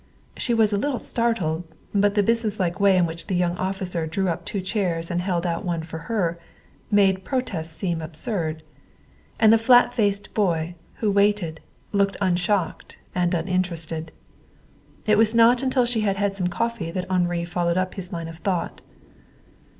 She was a little startled, but the businesslike way in which the young officer drew up two chairs and held one out for her made protest seem absurd. And the flat faced boy, who waited, looked unshocked and uninterested. It was not until she had had some coffee that Henri followed up his line of thought.